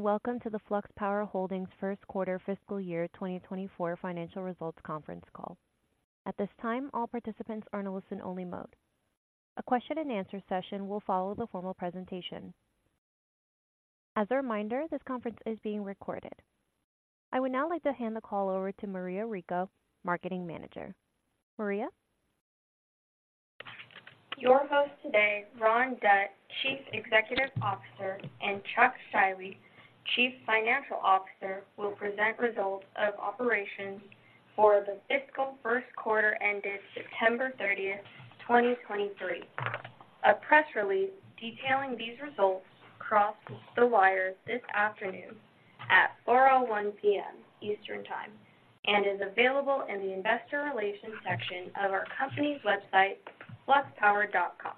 Greetings, and welcome to the Flux Power Holdings first quarter fiscal year 2024 financial results conference call. At this time, all participants are in a listen-only mode. A question-and-answer session will follow the formal presentation. As a reminder, this conference is being recorded. I would now like to hand the call over to Maria Rico, Marketing Manager. Maria? Your host today, Ron Dutt, Chief Executive Officer, and Chuck Scheiwe, Chief Financial Officer, will present results of operations for the fiscal first quarter ended September 30, 2023. A press release detailing these results crossed the wire this afternoon at 4:01 PM Eastern Time, and is available in the investor relations section of our company's website, fluxpower.com.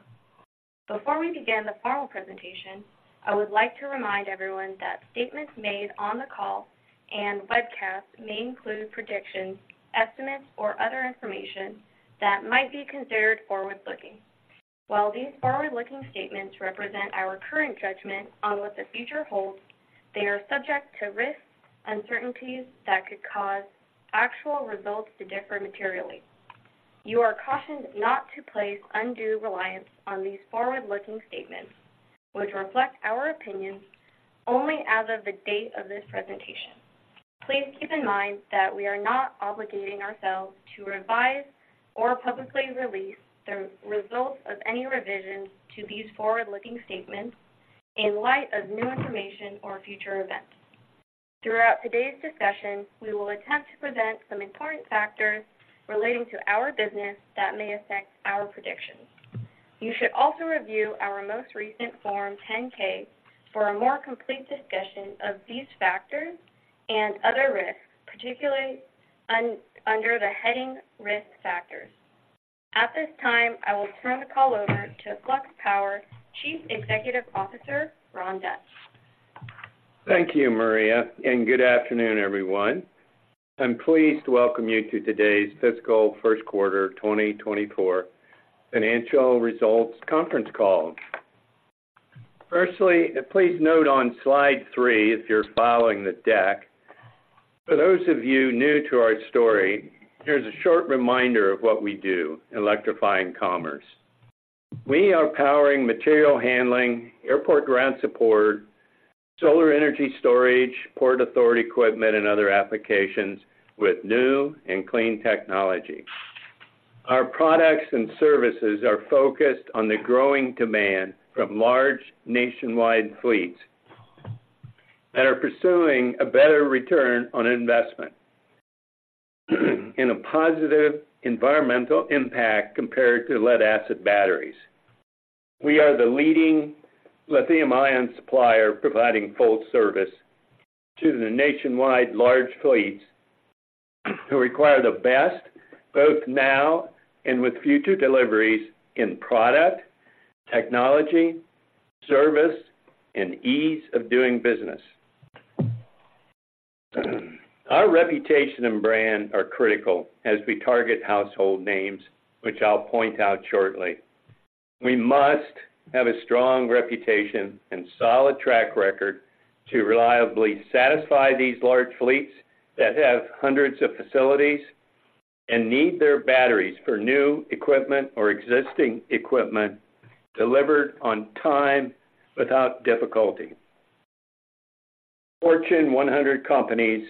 Before we begin the formal presentation, I would like to remind everyone that statements made on the call and webcast may include predictions, estimates, or other information that might be considered forward-looking. While these forward-looking statements represent our current judgment on what the future holds, they are subject to risks, uncertainties that could cause actual results to differ materially. You are cautioned not to place undue reliance on these forward-looking statements, which reflect our opinions only as of the date of this presentation. Please keep in mind that we are not obligating ourselves to revise or publicly release the results of any revisions to these forward-looking statements in light of new information or future events. Throughout today's discussion, we will attempt to present some important factors relating to our business that may affect our predictions. You should also review our most recent Form 10-K for a more complete discussion of these factors and other risks, particularly under the heading Risk Factors. At this time, I will turn the call over to Flux Power Chief Executive Officer, Ron Dutt. Thank you, Maria, and good afternoon, everyone. I'm pleased to welcome you to today's fiscal first quarter 2024 financial results conference call. Firstly, please note on slide three, if you're following the deck, for those of you new to our story, here's a short reminder of what we do, electrifying commerce. We are powering material handling, airport ground support, Solar Energy Storage, Port Authority Equipment, and other applications with New and Clean Technology. Our products and services are focused on the growing demand from large nationwide fleets that are pursuing a better return on investment and a positive environmental impact compared to lead-acid batteries. We are the leading lithium-ion supplier, providing full service to the nationwide large fleets who require the best, both now and with future deliveries in product, technology, service, and ease of doing business. Our reputation and brand are critical as we target household names, which I'll point out shortly. We must have a strong reputation and solid track record to reliably satisfy these large fleets that have hundreds of facilities and need their batteries for new equipment or existing equipment delivered on time without difficulty. Fortune 100 companies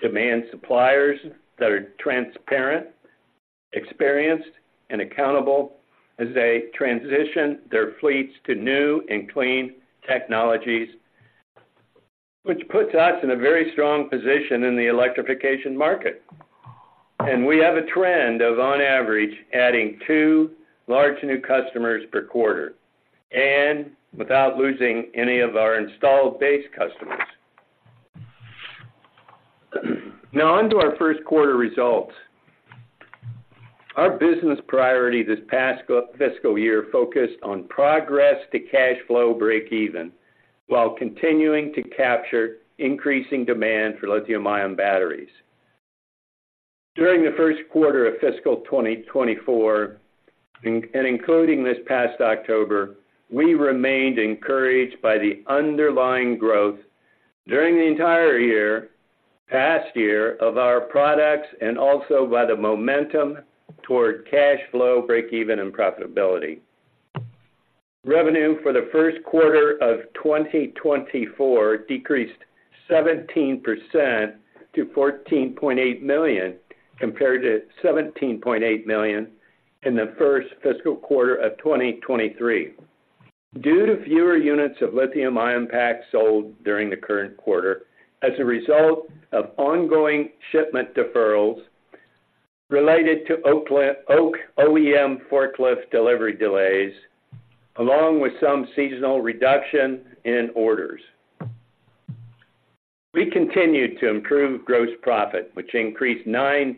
demand suppliers that are transparent, experienced, and accountable as they transition their fleets to new and clean technologies, which puts us in a very strong position in the electrification market. And we have a trend of, on average, adding two large new customers per quarter and without losing any of our installed base customers. Now, on to our first quarter results. Our business priority this past fiscal year focused on progress to cash flow breakeven, while continuing to capture increasing demand for lithium-ion batteries. During the first quarter of fiscal 2024, and including this past October, we remained encouraged by the underlying growth during the entire year, past year of our products and also by the momentum toward cash flow, breakeven, and profitability. Revenue for the first quarter of 2024 decreased 17% to $14.8 million, compared to $17.8 million in the first fiscal quarter of 2023, due to fewer units of lithium-ion packs sold during the current quarter as a result of ongoing shipment deferrals related to Oakland OEM forklift delivery delays, along with some seasonal reduction in orders. We continued to improve gross profit, which increased 9%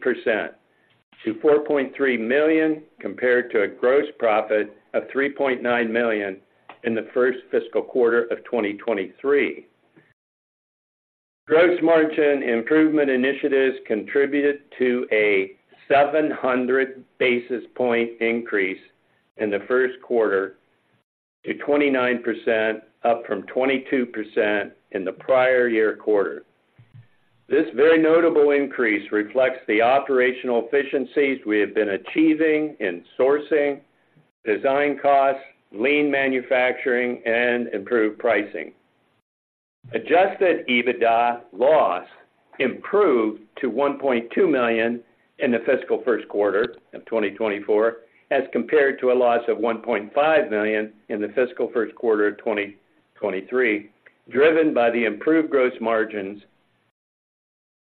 to $4.3 million, compared to a gross profit of $3.9 million in the first fiscal quarter of 2023. Gross margin improvement initiatives contributed to a 700 basis point increase in the first quarter to 29%, up from 22% in the prior year quarter. This very notable increase reflects the operational efficiencies we have been achieving in sourcing, design costs, lean manufacturing, and improved pricing. Adjusted EBITDA loss improved to $1.2 million in the fiscal first quarter of 2024, as compared to a loss of $1.5 million in the fiscal first quarter of 2023, driven by the improved gross margins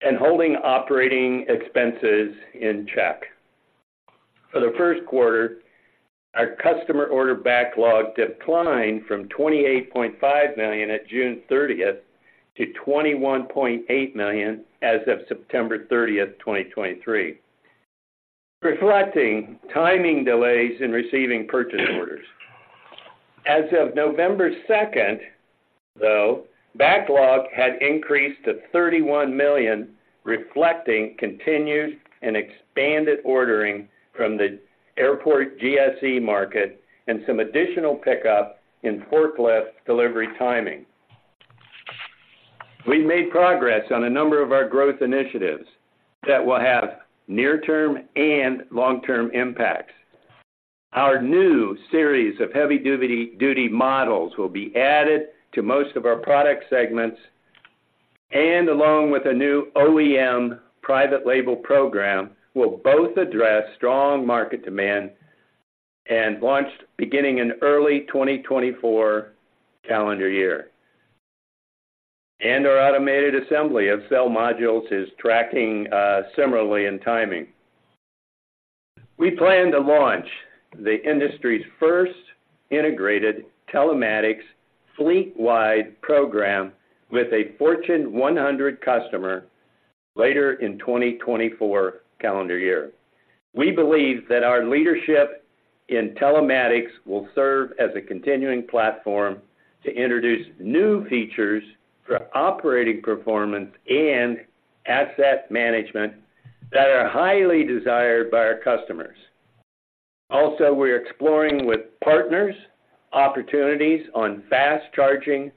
and holding operating expenses in check. For the first quarter, our customer order backlog declined from $28.5 million at June 30 to $21.8 million as of September 30, 2023, reflecting timing delays in receiving purchase orders. As of November second, though, backlog had increased to $31 million, reflecting continued and expanded ordering from the airport GSE market and some additional pickup in forklift delivery timing. We've made progress on a number of our growth initiatives that will have near-term and long-term impacts. Our new series of heavy duty, duty models will be added to most of our product segments, and along with a new OEM Private Label program, will both address strong market demand and launched beginning in early 2024 calendar year. Our automated assembly of cell modules is tracking similarly in timing. We plan to launch the industry's first Integrated Telematics Fleet-Wide program with a Fortune 100 customer later in 2024 calendar year. We believe that our leadership in telematics will serve as a continuing platform to introduce new features for operating performance and asset management that are highly desired by our customers. Also, we're exploring with partners, opportunities on fast charging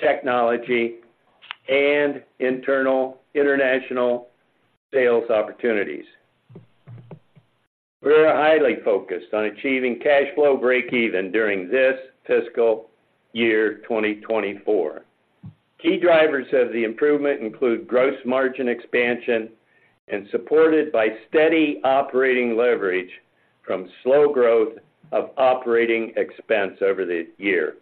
technology and internal-international sales opportunities. We are highly focused on achieving cash flow breakeven during this fiscal year, 2024. Key drivers of the improvement include gross margin expansion and supported by steady operating leverage from slow growth of operating expense over the year.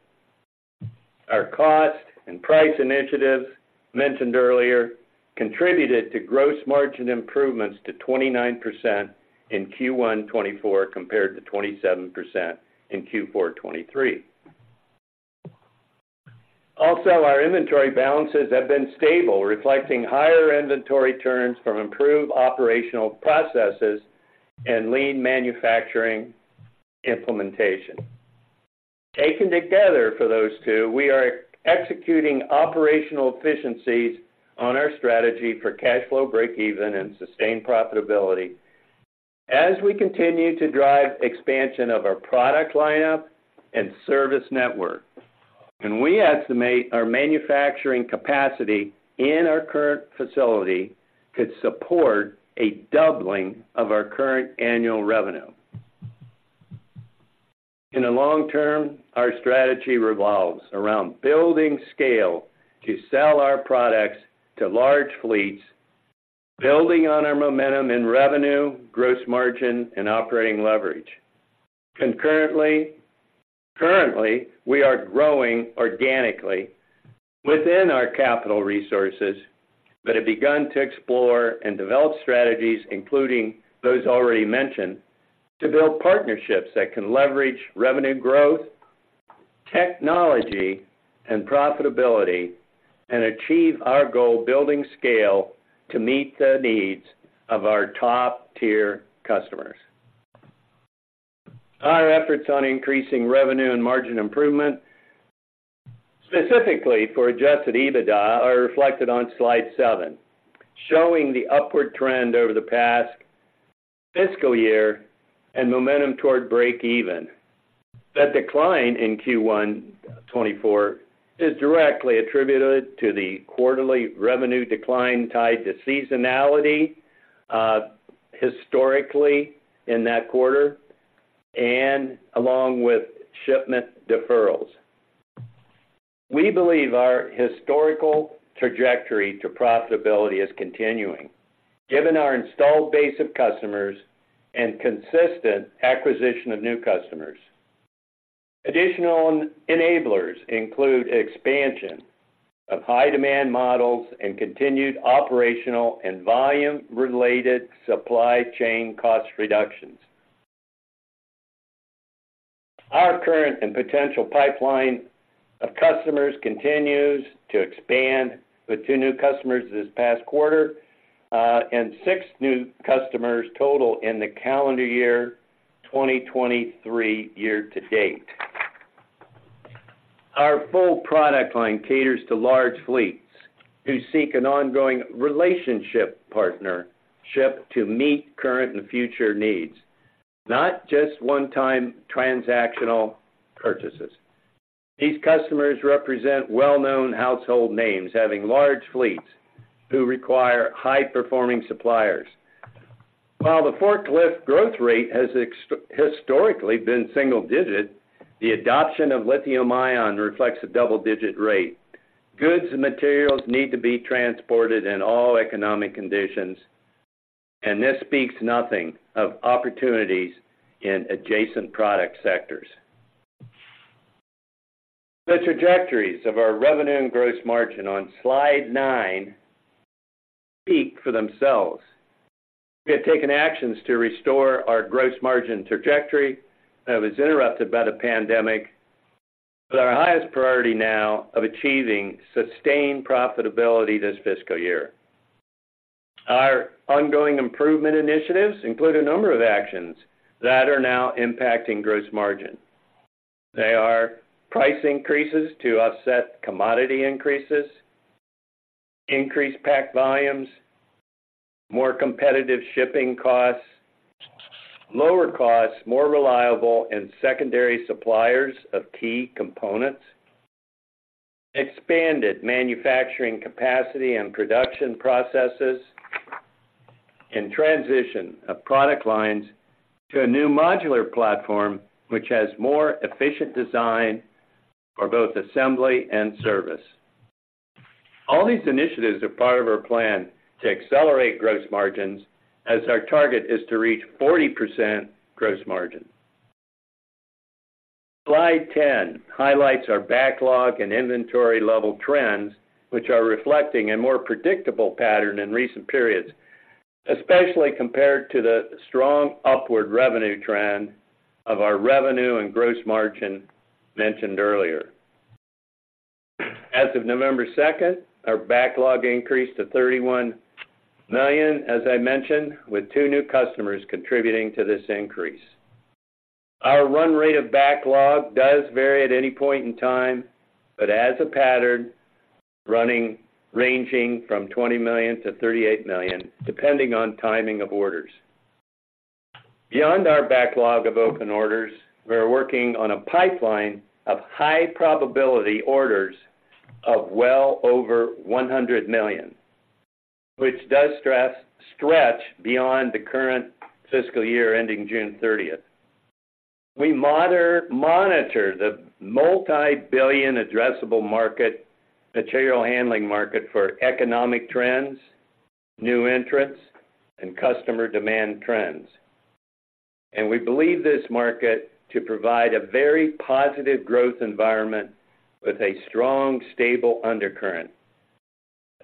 Our cost and price initiatives mentioned earlier, contributed to gross margin improvements to 29% in Q1 2024, compared to 27% in Q4 2023. Also, our inventory balances have been stable, reflecting higher inventory turns from improved operational processes and lean manufacturing implementation. Taken together, for those two, we are executing operational efficiencies on our strategy for cash flow breakeven and sustained profitability as we continue to drive expansion of our product lineup and service network. We estimate our manufacturing capacity in our current facility could support a doubling of our current annual revenue. In the long term, our strategy revolves around building scale to sell our products to large fleets, building on our momentum in revenue, gross margin, and operating leverage. Currently, we are growing organically within our capital resources, but have begun to explore and develop strategies, including those already mentioned, to build partnerships that can leverage revenue growth, technology, and profitability, and achieve our goal of building scale to meet the needs of our top-tier customers. Our efforts on increasing revenue and margin improvement, specifically for Adjusted EBITDA, are reflected on slide seven, showing the upward trend over the past fiscal year and momentum toward break even. The decline in Q1 2024 is directly attributed to the quarterly revenue decline tied to seasonality, historically in that quarter and along with shipment deferrals. We believe our historical trajectory to profitability is continuing, given our installed base of customers and consistent acquisition of new customers. Additional enablers include expansion of high demand models and continued operational and volume-related supply chain cost reductions. Our current and potential pipeline of customers continues to expand with two new customers this past quarter, and six new customers total in the calendar year, 2023 year to date. Our full product line caters to large fleets who seek an ongoing relationship, partnership to meet current and future needs, not just one-time transactional purchases. These customers represent well-known household names, having large fleets who require high-performing suppliers. While the forklift growth rate has historically been single-digit, the adoption of lithium-ion reflects a double-digit rate. Goods and materials need to be transported in all economic conditions, and this speaks nothing of opportunities in adjacent product sectors. The trajectories of our revenue and gross margin on Slide 9 speak for themselves. We have taken actions to restore our gross margin trajectory that was interrupted by the pandemic, but our highest priority now of achieving sustained profitability this fiscal year. Our ongoing improvement initiatives include a number of actions that are now impacting gross margin. They are price increases to offset commodity increases, increased pack volumes, more competitive shipping costs, lower costs, more reliable and secondary suppliers of key components, expanded manufacturing capacity and production processes, and transition of product lines to a new modular platform, which has more efficient design for both assembly and service. All these initiatives are part of our plan to accelerate gross margins, as our target is to reach 40% gross margin. Slide 10 highlights our backlog and inventory level trends, which are reflecting a more predictable pattern in recent periods, especially compared to the strong upward revenue trend of our revenue and gross margin mentioned earlier. As of November 2, our backlog increased to $31 million, as I mentioned, with two new customers contributing to this increase. Our run rate of backlog does vary at any point in time, but as a pattern, running, ranging from $20 million-$38 million, depending on timing of orders. Beyond our backlog of open orders, we're working on a pipeline of high probability orders of well over $100 million, which does stretch beyond the current fiscal year, ending June 30. We monitor the multi-billion addressable market, material handling market for economic trends, new entrants, and customer demand trends. We believe this market to provide a very positive growth environment with a strong, stable undercurrent,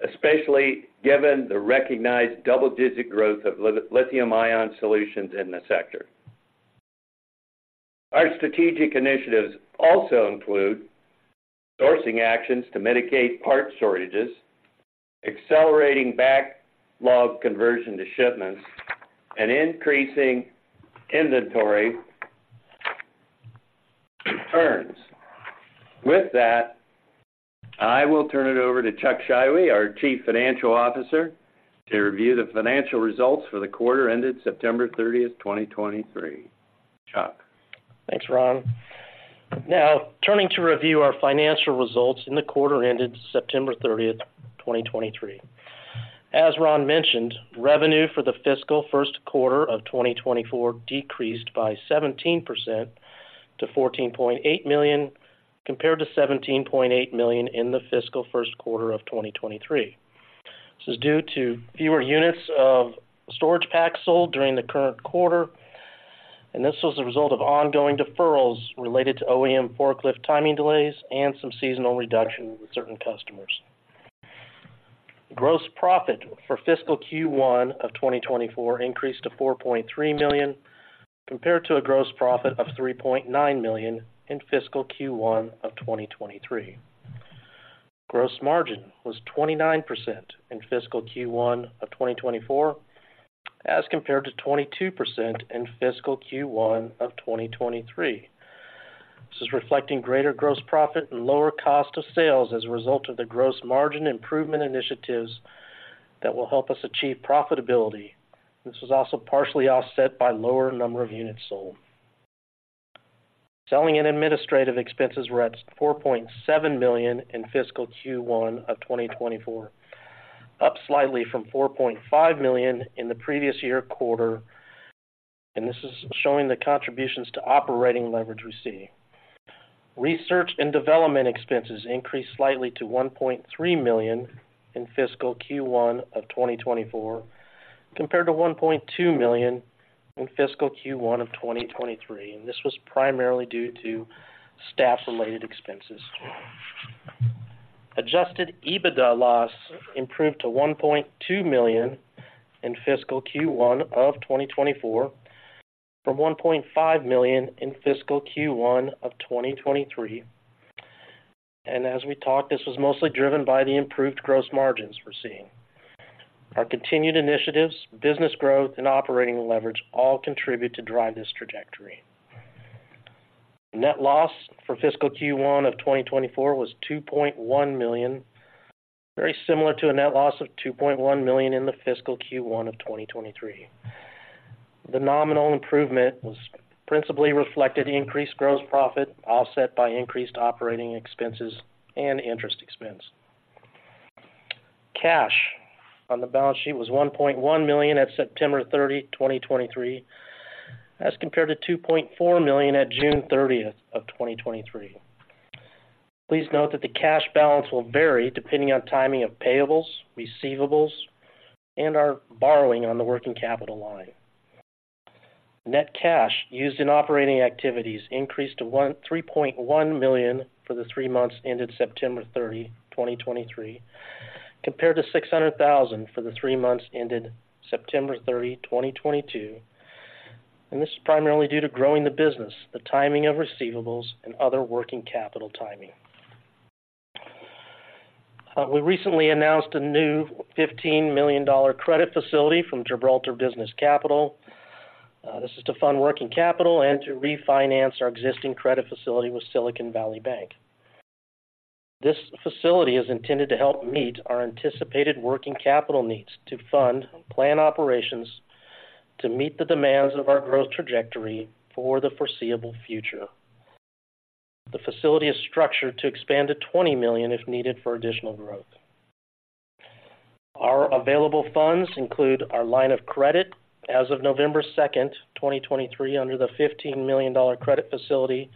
especially given the recognized double-digit growth of lithium-ion solutions in the sector. Our Strategic Initiatives also include sourcing actions to mitigate part shortages, accelerating backlog conversion to shipments, and increasing inventory turns. With that, I will turn it over to Chuck Scheiwe, our Chief Financial Officer, to review the financial results for the quarter ended September 30, 2023. Chuck? Thanks, Ron. Now, turning to review our financial results in the quarter ended September 30, 2023. As Ron mentioned, revenue for the fiscal first quarter of 2024 decreased by 17% to $14.8 million, compared to $17.8 million in the fiscal first quarter of 2023. This is due to fewer units of storage packs sold during the current quarter, and this was a result of ongoing deferrals related to OEM forklift timing delays and some seasonal reduction with certain customers. Gross profit for fiscal Q1 of 2024 increased to $4.3 million, compared to a gross profit of $3.9 million in fiscal Q1 of 2023. Gross margin was 29% in fiscal Q1 of 2024, as compared to 22% in fiscal Q1 of 2023. This is reflecting greater gross profit and lower cost of sales as a result of the gross margin improvement initiatives that will help us achieve profitability. This was also partially offset by lower number of units sold. Selling and administrative expenses were at $4.7 million in fiscal Q1 of 2024, up slightly from $4.5 million in the previous year quarter, and this is showing the contributions to operating leverage we're seeing. Research and development expenses increased slightly to $1.3 million in fiscal Q1 of 2024, compared to $1.2 million in fiscal Q1 of 2023, and this was primarily due to staff-related expenses. Adjusted EBITDA loss improved to $1.2 million in fiscal Q1 of 2024, from $1.5 million in fiscal Q1 of 2023. As we talked, this was mostly driven by the improved gross margins we're seeing. Our continued initiatives, business growth, and operating leverage all contribute to drive this trajectory. Net loss for fiscal Q1 of 2024 was $2.1 million, very similar to a net loss of $2.1 million in the fiscal Q1 of 2023. The nominal improvement was principally reflected increased gross profit, offset by increased operating expenses and interest expense. Cash on the balance sheet was $1.1 million at September 30, 2023, as compared to $2.4 million at June 30, 2023. Please note that the cash balance will vary depending on timing of payables, receivables, and our borrowing on the working capital line. Net cash used in operating activities increased to $1.3 million for the three months ended September 30, 2023, compared to $600,000 for the three months ended September 30, 2022, and this is primarily due to growing the business, the timing of receivables, and other working capital timing. We recently announced a new $15 million credit facility from Gibraltar Business Capital. This is to fund working capital and to refinance our existing credit facility with Silicon Valley Bank. This facility is intended to help meet our anticipated working capital needs to Fund Plan Operations to meet the demands of our growth trajectory for the foreseeable future. The facility is structured to expand to $20 million, if needed for additional growth. Our available funds include our line of credit as of November 2, 2023, under the $15 million credit facility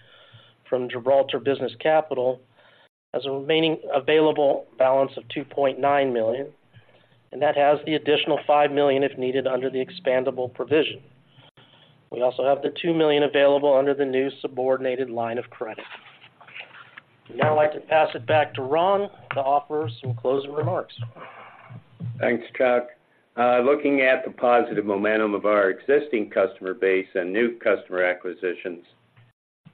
from Gibraltar Business Capital, has a remaining available balance of $2.9 million, and that has the additional $5 million, if needed, under the expandable provision. We also have the $2 million available under the new subordinated line of credit. I'd now like to pass it back to Ron to offer some closing remarks. Thanks, Chuck. Looking at the positive momentum of our existing customer base and new customer acquisitions,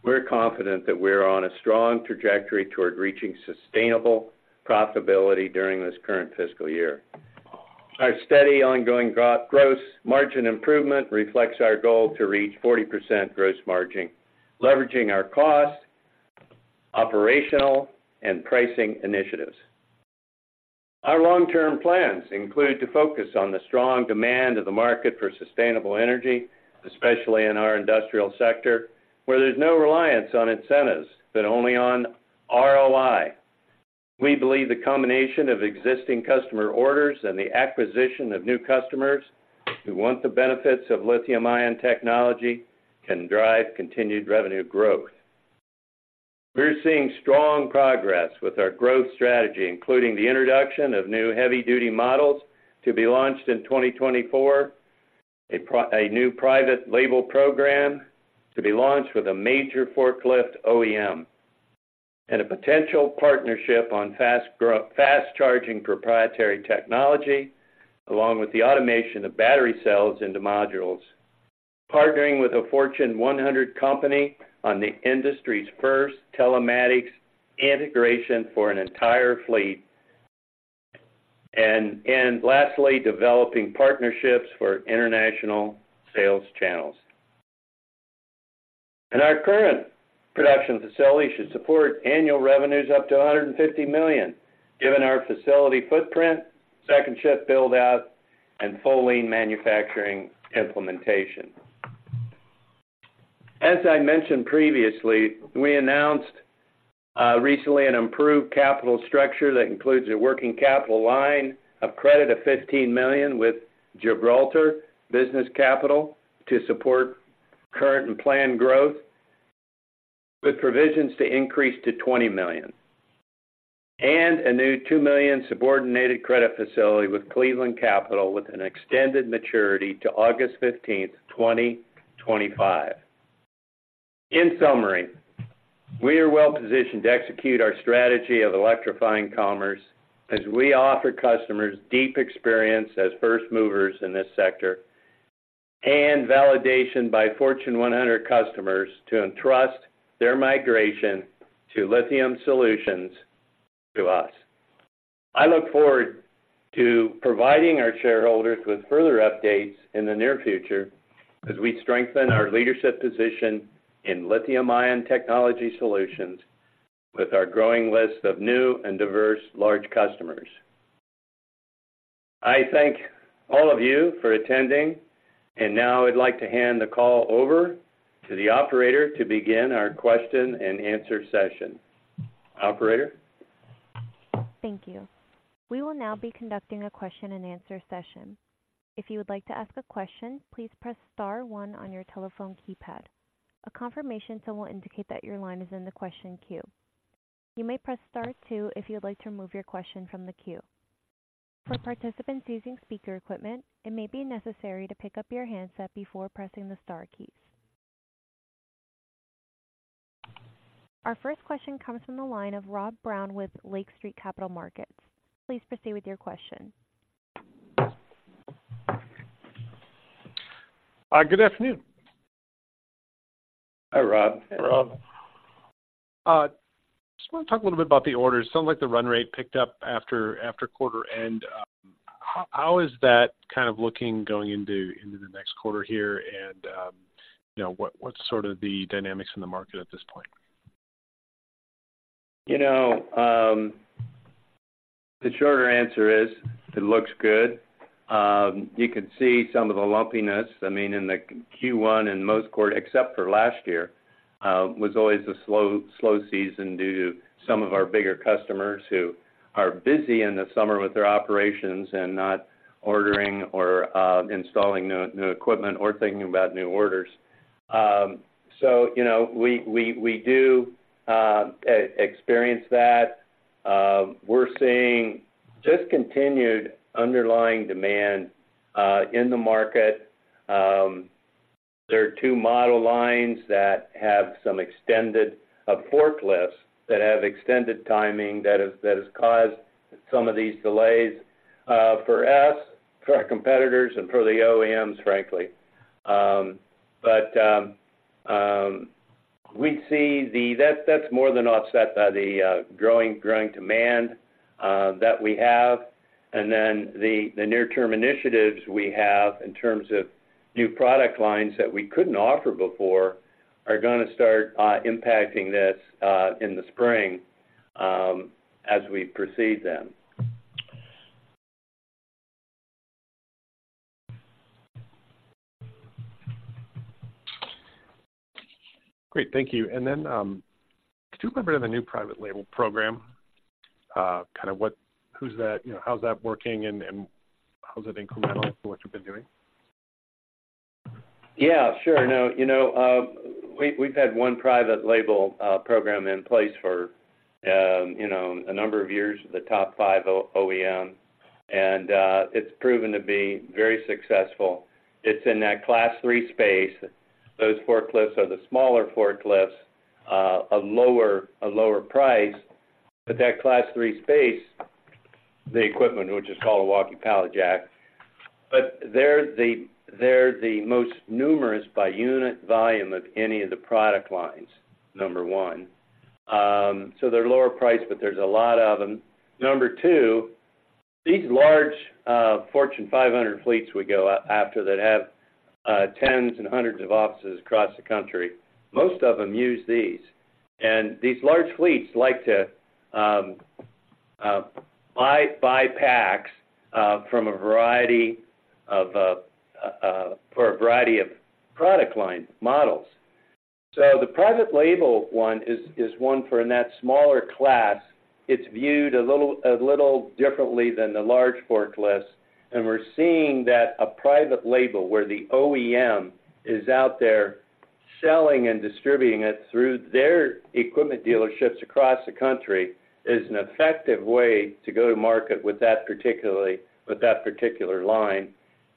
we're confident that we're on a strong trajectory toward reaching sustainable profitability during this current fiscal year. Our steady, ongoing gross margin improvement reflects our goal to reach 40% gross margin, leveraging our costs, operational, and pricing initiatives. Our long-term plans include to focus on the strong demand of the market for Eustainable energy, especially in our Industrial Sector, where there's no reliance on incentives, but only on ROI. We believe the combination of existing customer orders and the acquisition of new customers who want the benefits of lithium-ion technology can drive continued revenue growth. We're seeing strong progress with our growth strategy, including the introduction of new heavy-duty models to be launched in 2024, a pro. A new private label program to be launched with a major forklift OEM, and a potential partnership on fast-charging proprietary technology, along with the automation of battery cells into modules. Partnering with a Fortune 100 company on the Industry's first telematics integration for an entire fleet. And lastly, developing partnerships for International Sales Channels. Our current production facility should support annual revenues up to $150 million, given our facility footprint, second shift build-out, and full lean manufacturing implementation. As I mentioned previously, we announced recently an improved capital structure that includes a working capital line of credit of $15 million with Gibraltar Business Capital to support current and planned growth, with provisions to increase to $20 million, and a new $2 million subordinated credit facility with Cleveland Capital, with an extended maturity to August 15, 2025. In summary, we are well-positioned to execute our strategy of electrifying commerce as we offer customers deep experience as first movers in this sector, and validation by Fortune 100 customers to entrust their migration to lithium solutions to us. I look forward to providing our shareholders with further updates in the near future as we strengthen our leadership position in lithium-ion technology solutions with our growing list of new and diverse large customers. I thank all of you for attending, and now I'd like to hand the call over to the operator to begin our question and answer session. Operator? Thank you. We will now be conducting a question-and-answer session. If you would like to ask a question, please press star one on your telephone keypad. A confirmation tone will indicate that your line is in the question queue. You may press star two if you would like to remove your question from the queue. For participants using speaker equipment, it may be necessary to pick up your handset before pressing the star keys. Our first question comes from the line of Rob Brown with Lake Street Capital Markets. Please proceed with your question. Good afternoon. Hi, Rob. Hi, Rob. Just want to talk a little bit about the orders. Sounds like the run rate picked up after quarter end. How is that kind of looking going into the next quarter here? You know, what's sort of the dynamics in the market at this point? You know, the shorter answer is: it looks good. You could see some of the lumpiness, I mean, in the Q1 and most quarters, except for last year, was always a slow, slow season due to some of our bigger customers who are busy in the summer with their operations and not ordering or, installing new, new equipment or thinking about new orders. So, you know, we, we, we do experience that. We're seeing just continued underlying demand in the market. There are two model lines that have some extended, forklifts that have extended timing, that has, that has caused some of these delays for us, for our competitors, and for the OEMs, frankly. But, we see the, that's, that's more than offset by the, growing, growing demand that we have. And then the near-term initiatives we have in terms of new product lines that we couldn't offer before are gonna start impacting this in the spring as we proceed then. Great. Thank you. And then, could you elaborate on the new private label program? Kind of what-- who's that, you know, how's that working and how's it incremental to what you've been doing? Yeah, sure. No, you know, we've had one private label program in place for, you know, a number of years, the top five OEM, and it's proven to be very successful. It's in that Class III space. Those forklifts are the smaller forklifts, a lower price. But that Class III space, the equipment, which is called a walkie pallet jack, but they're the most numerous by unit volume of any of the product lines, number one. So they're lower priced, but there's a lot of them. Number two, these large Fortune 500 fleets we go after that have tens and hundreds of offices across the country, most of them use these. And these large fleets like to buy packs from a variety of product line models. So the private label one is one for in that smaller class. It's viewed a little differently than the large forklifts, and we're seeing that a private label, where the OEM is out there selling and distributing it through their equipment dealerships across the country, is an effective way to go to market with that, particularly with that particular line.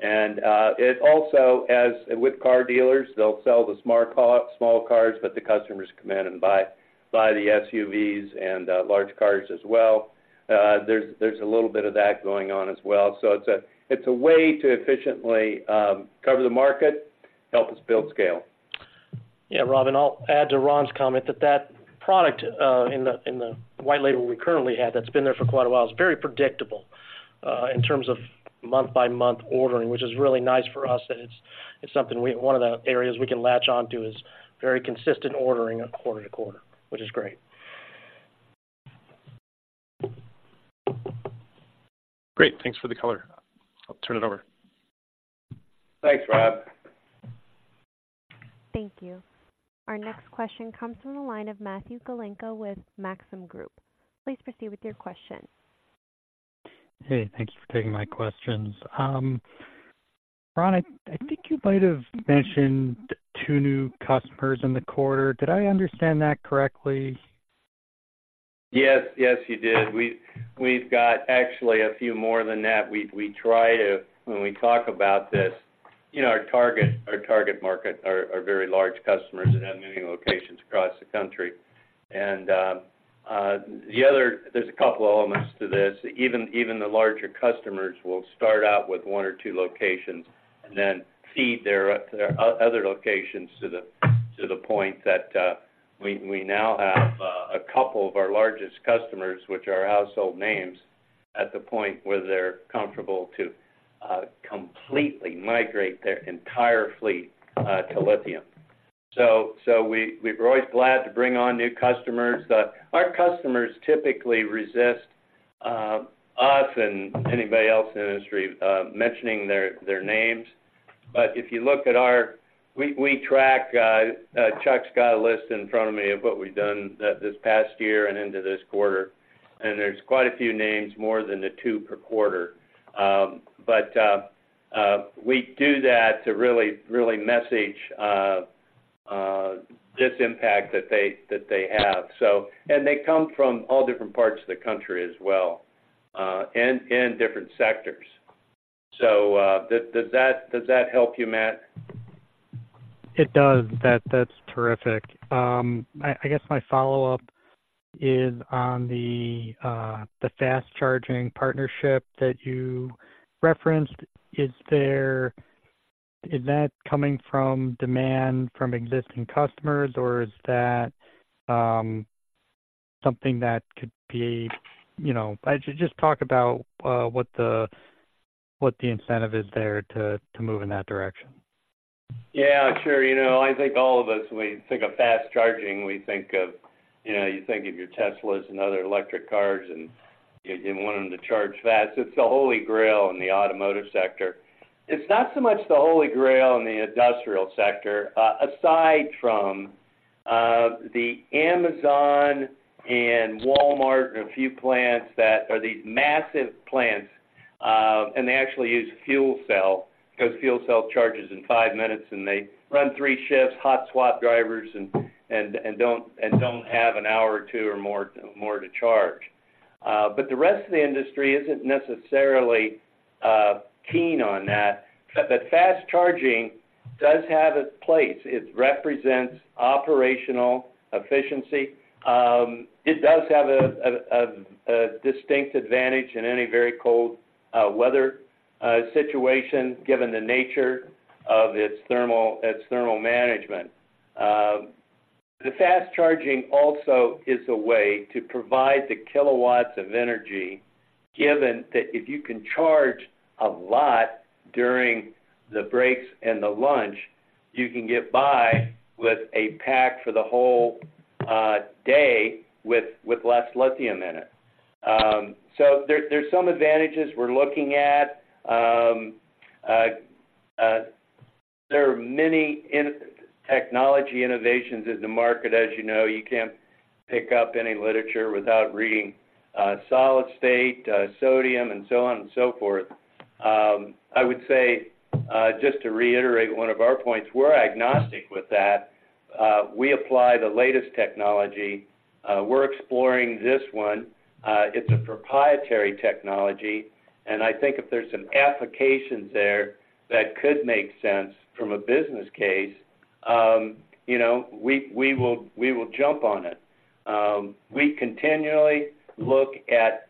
And it also, as with car dealers, they'll sell the Smart car, small cars, but the customers come in and buy the SUVs and large cars as well. There's a little bit of that going on as well. So it's a way to efficiently cover the market, help us build scale. Yeah, Rob, I'll add to Ron's comment that that product, in the white label we currently have, that's been there for quite a while, is very predictable in terms of month-by-month ordering, which is really nice for us, and it's, it's something we—one of the areas we can latch onto is very consistent ordering quarter to quarter, which is great. Great. Thanks for the color. I'll turn it over. Thanks, Rob. Thank you. Our next question comes from the line of Matthew Galinko with Maxim Group. Please proceed with your question. Hey, thank you for taking my questions. Ron, I think you might have mentioned two new customers in the quarter. Did I understand that correctly? Yes. Yes, you did. We've got actually a few more than that. We try to... When we talk about this, you know, our target market are very large customers that have many locations across the country. And, the other, there's a couple of elements to this. Even the larger customers will start out with one or two locations and then feed their other locations to the point that we now have a couple of our largest customers, which are household names, at the point where they're comfortable to completely migrate their entire fleet to lithium. So, we're always glad to bring on new customers. Our customers typically resist us and anybody else in the industry mentioning their names. But if you look at our. We track. Chuck's got a list in front of me of what we've done that this past year and into this quarter, and there's quite a few names, more than the two per quarter. But we do that to really, really message this impact that they have. So, and they come from all different parts of the country as well, and different sectors. So, does that help you, Matt? It does. That, that's terrific. I guess my follow-up is on the fast charging partnership that you referenced. Is there-- is that coming from demand from existing customers, or is that something that could be, you know-- I just talk about what the incentive is there to move in that direction? Yeah, sure. You know, I think all of us, we think of fast charging, we think of, you know, you think of your Teslas and other electric cars, and you, you want them to charge fast. It's the Holy Grail in the Automotive sector. It's not so much the Holy Grail in the Industrial Sector, aside from the Amazon and Walmart and a few plants that are these massive plants, and they actually use fuel cell, because Fuel Cell charges in five minutes, and they run three shifts, hot swap drivers, and don't have an hour or two or more to charge. But the rest of the industry isn't necessarily keen on that, but fast charging does have its place. It represents operational efficiency. It does have a distinct advantage in any very cold weather situation, given the nature of its thermal management. The fast charging also is a way to provide the kilowatts of energy, given that if you can charge a lot during the breaks and the lunch, you can get by with a pack for the whole day with less lithium in it. So there's some advantages we're looking at. There are many technology innovations in the market. As you know, you can't pick up any literature without reading Solid-State, sodium, and so on and so forth. I would say, just to reiterate one of our points, we're agnostic with that. We apply the latest technology. We're exploring this one. It's a proprietary technology, and I think if there's some applications there that could make sense from a business case, you know, we will jump on it. We continually look at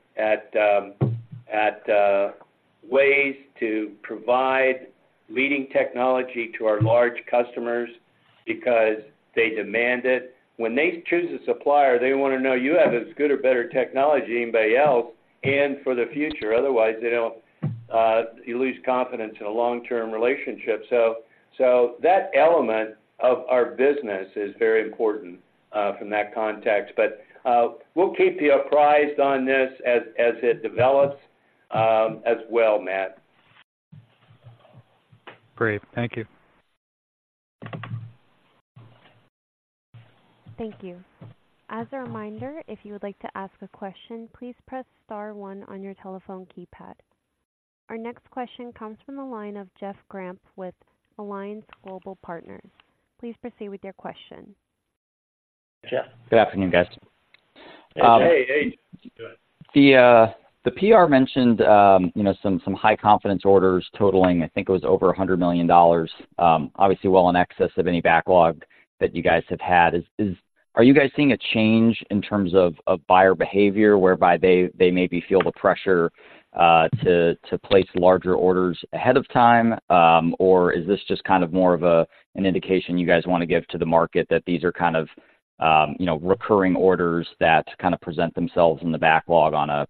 ways to provide leading technology to our large customers because they demand it. When they choose a supplier, they want to know you have as good or better technology than anybody else, and for the future. Otherwise, they don't, you lose confidence in a long-term relationship. So that element of our business is very important from that context. But we'll keep you apprised on this as it develops, as well, Matt. Great. Thank you. Thank you. As a reminder, if you would like to ask a question, please press star one on your telephone keypad. Our next question comes from the line of Jeff Grampp with Alliance Global Partners. Please proceed with your question. Jeff? Good afternoon, guys. Hey, hey, go ahead. The PR mentioned, you know, some high confidence orders totaling, I think it was over $100 million, obviously, well, in excess of any backlog that you guys have had. Are you guys seeing a change in terms of buyer behavior, whereby they maybe feel the pressure to place larger orders ahead of time? Or is this just kind of more of an indication you guys want to give to the market, that these are kind of, you know, recurring orders that kind of present themselves in the backlog on a,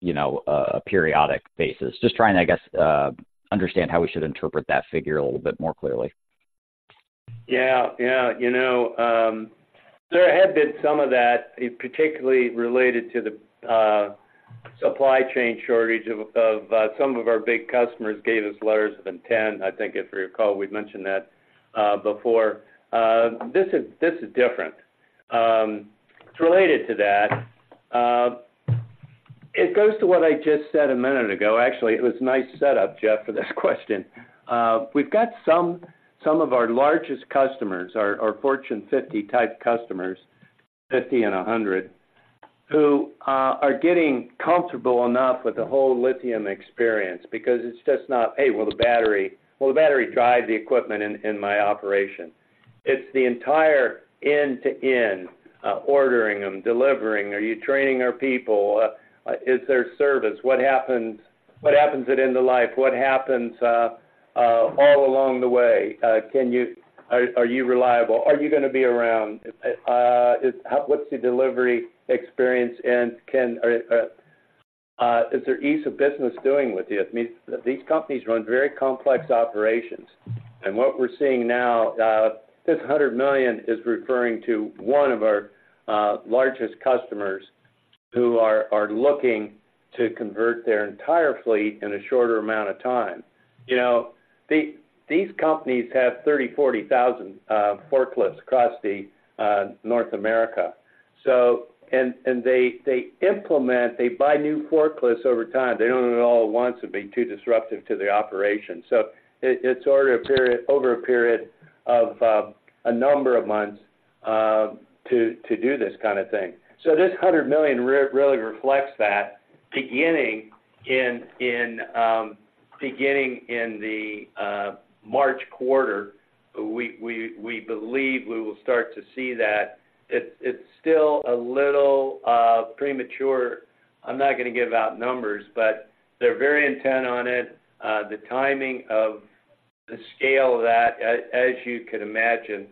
you know, periodic basis? Just trying to, I guess, understand how we should interpret that figure a little bit more clearly. Yeah, yeah. You know, there had been some of that, particularly related to the supply chain shortage of some of our big customers gave us letters of intent. I think if you recall, we've mentioned that before. This is, this is different. It's related to that. It goes to what I just said a minute ago. Actually, it was a nice setup, Jeff, for this question. We've got some, some of our largest customers, our, our Fortune 50-type customers, 50 and 100, who are getting comfortable enough with the whole lithium experience because it's just not, "Hey, will the battery, will the battery drive the equipment in my operation?" It's the entire end-to-end ordering them, delivering. Are you training our people? Is there service? What happens, what happens at end of life? What happens all along the way? Can you... Are you reliable? Are you gonna be around? What's your delivery experience, and is there ease of business doing with you? It means these companies run very complex operations, and what we're seeing now, this $100 million is referring to one of our largest customers who are looking to convert their entire fleet in a shorter amount of time. You know, these companies have 30,000-40,000 forklifts across North America. So, and they implement, they buy new forklifts over time. They don't want all at once to be too disruptive to the operation. So it's over a period of a number of months to do this kind of thing. So this $100 million really reflects that, beginning in the March quarter, we believe we will start to see that. It's still a little premature. I'm not gonna give out numbers, but they're very intent on it. The timing of the scale of that, as you could imagine,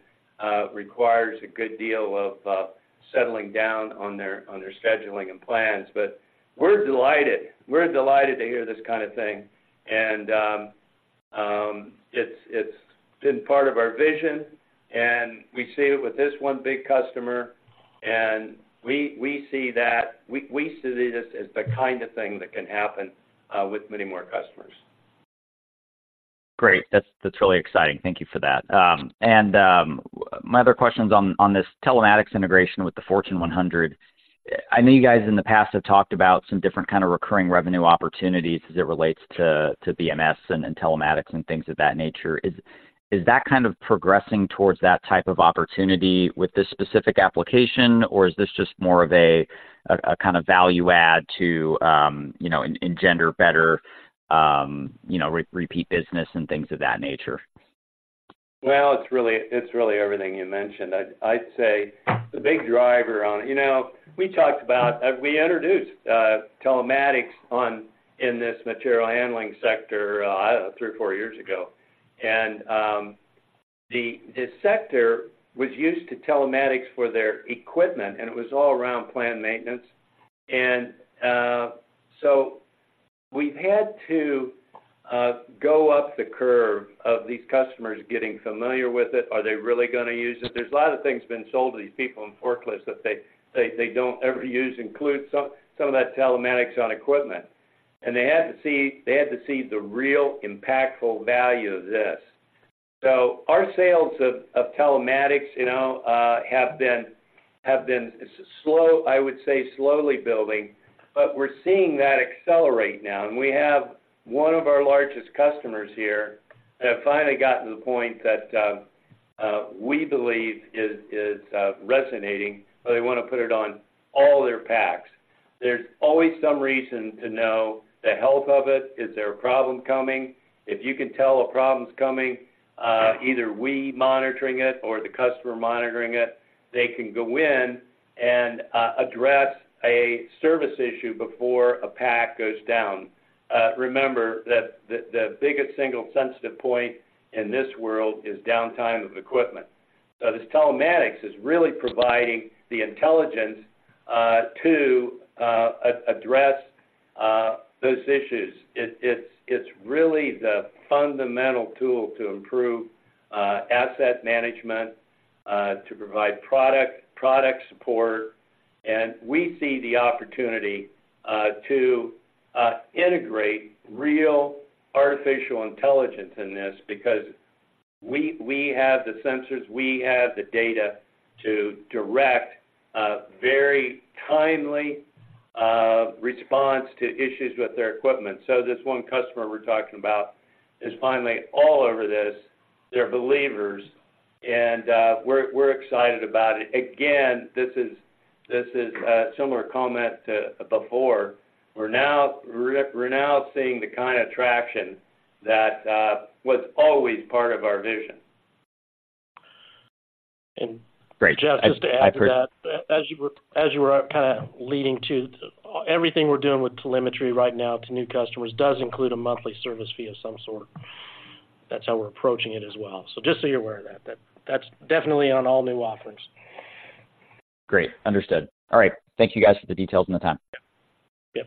requires a good deal of settling down on their scheduling and plans. But we're delighted. We're delighted to hear this kind of thing, and it's been part of our vision, and we see it with this one big customer, and we see that we see this as the kind of thing that can happen with many more customers. Great. That's, that's really exciting. Thank you for that. And, my other question is on, on this telematics integration with the Fortune 100. I know you guys, in the past, have talked about some different kind of recurring revenue opportunities as it relates to, to BMS and, and telematics and things of that nature. Is that kind of progressing towards that type of opportunity with this specific application, or is this just more of a, a kind of value add to, you know, engender better, you know, repeat business and things of that nature? Well, it's really, it's really everything you mentioned. I'd say the big driver on it. You know, we talked about, we introduced telematics on, in this material handling sector, I don't know, three or four years ago. The sector was used to telematics for their equipment, and it was all around planned maintenance. So we've had to go up the curve of these customers getting familiar with it. Are they really gonna use it? There's a lot of things been sold to these people in forklifts that they don't ever use, including some of that telematics on equipment. They had to see, they had to see the real impactful value of this. So our sales of telematics, you know, have been slow, I would say, slowly building, but we're seeing that accelerate now. And we have one of our largest customers here, that have finally gotten to the point that we believe is resonating, so they wanna put it on all their packs. There's always some reason to know the health of it. Is there a problem coming? If you can tell a problem's coming, either we monitoring it or the customer monitoring it, they can go in and address a service issue before a pack goes down. Remember that the biggest single sensitive point in this world is downtime of equipment. So this telematics is really providing the intelligence to address those issues. It's really the fundamental tool to improve asset management to provide product support. And we see the opportunity to integrate real artificial intelligence in this because we have the sensors, we have the data to direct a very timely response to issues with their equipment. So this one customer we're talking about is finally all over this. They're believers, and we're excited about it. Again, this is a similar comment to before. We're now seeing the kind of traction that was always part of our vision. Great, I- Just to add to that, as you were kind of leading to, everything we're doing with telemetry right now to new customers does include a monthly service fee of some sort. That's how we're approaching it as well. So just so you're aware of that, that's definitely on all new offerings. Great. Understood. All right. Thank you, guys, for the details and the time. Yep.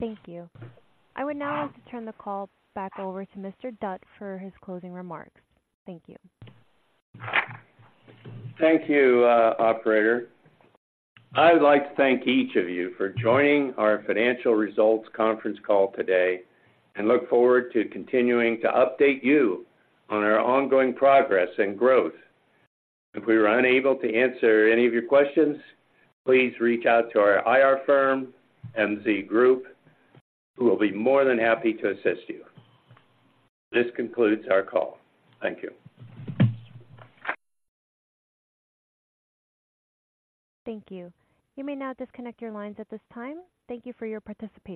Thank you. I would now like to turn the call back over to Mr. Dutt for his closing remarks. Thank you. Thank you, operator. I'd like to thank each of you for joining our financial results conference call today, and look forward to continuing to update you on our ongoing progress and growth. If we were unable to answer any of your questions, please reach out to our IR firm, MZ Group, who will be more than happy to assist you. This concludes our call. Thank you. Thank you. You may now disconnect your lines at this time. Thank you for your participation.